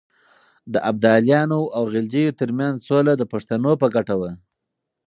د ابدالیانو او غلجیو ترمنځ سوله د پښتنو په ګټه وه.